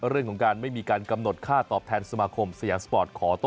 เรื่องของการไม่มีการกำหนดค่าตอบแทนสมาคมสยามสปอร์ตขอโต้